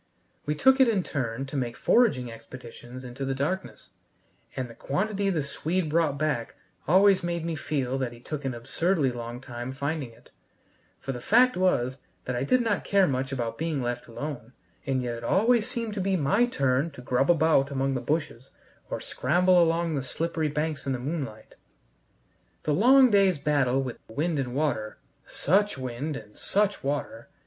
We took it in turn to make foraging expeditions into the darkness, and the quantity the Swede brought back always made me feel that he took an absurdly long time finding it; for the fact was I did not care much about being left alone, and yet it always seemed to be my turn to grub about among the bushes or scramble along the slippery banks in the moonlight. The long day's battle with wind and water such wind and such water!